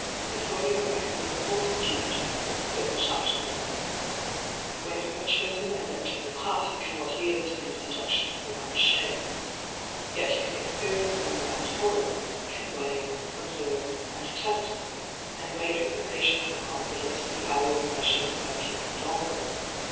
Before you have become an occultist you may do this ; but not afterwards. When you have chosen and entered the path you cannot yield to these seductions without shame. Yet you can experience them without horror; can weigh, observe and test them, and wait with the patience of confidence for the hour when they shall affect you no longer.